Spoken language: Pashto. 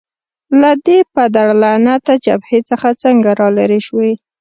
له دې پدرلعنته جبهې څخه څنګه رالیري شوې؟